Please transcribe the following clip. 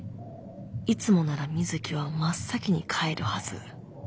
いつもなら水木は真っ先に帰るはず。